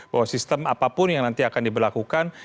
bahwa sistem apapun yang nanti akan diberlakukan